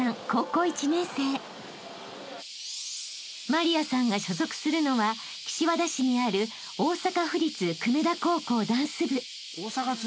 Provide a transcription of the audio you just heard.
［麻莉亜さんが所属するのは岸和田市にある大阪府立久米田高校ダンス部］